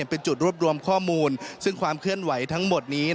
เป็นจุดรวบรวมข้อมูลซึ่งความเคลื่อนไหวทั้งหมดนี้